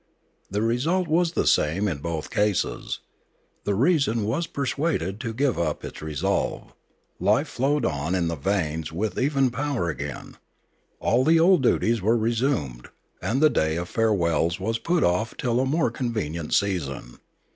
The result was the same in both cases; the reason was persuaded to give up its resolve; life flowed on in the veins with even power again; all the old duties were resumed; and the day of farewells was put off till a more convenient season.